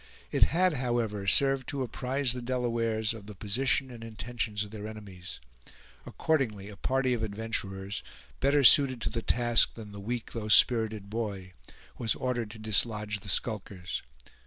It had, however, served to apprise the Delawares of the position and the intentions of their enemies. Accordingly a party of adventurers, better suited to the task than the weak though spirited boy, was ordered to dislodge the skulkers.